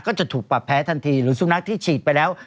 ก็จะถูกปรับแพ้ทันทีหรือสุนัขที่ฉีดไปแล้ว